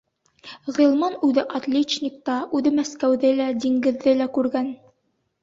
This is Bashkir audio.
Ғилман үҙе отличник та, үҙе Мәскәүҙе лә, диңгеҙҙе лә күргән.